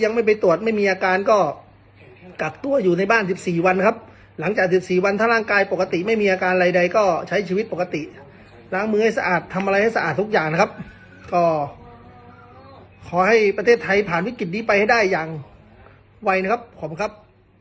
ให้ประเทศไทยผ่านวิกฤตินี้ไปให้ได้อย่างไวนะครับขอบคุณครับ